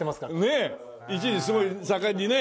ねえ一時すごい盛んにね。